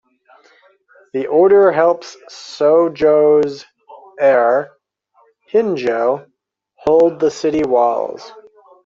The Order helps Shojo's heir, Hinjo, hold the city walls.